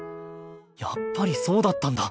やっぱりそうだったんだ。